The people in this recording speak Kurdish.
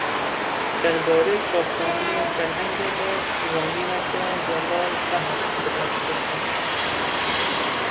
Derbarê çavkanîyên ferhengê da zanîneke zelal nehat bidestxistin.